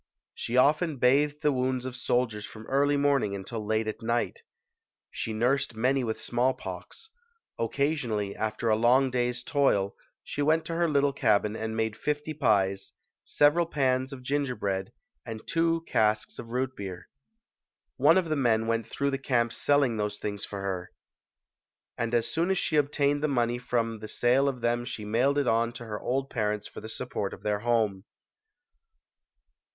She often bathed the wounds of soldiers from early morning until late at night. She nursed many with smallpox. Occasionally, after a long day's toil, she went to her little cabin and made fifty pies, several pans of ginger bread and two casks of root beer. One of the men went through the camps selling these things for her. Almost HARRIET TUBMAN [ 99 as soon as she obtained the money from the sale of them she mailed it on to her old parents for the support of their home.